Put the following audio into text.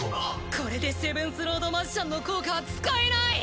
これでセブンスロード・マジシャンの効果は使えない！